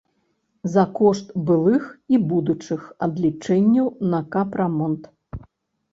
За кошт былых і будучых адлічэнняў на капрамонт.